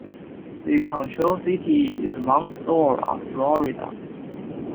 The control city is Mount Dora, Florida.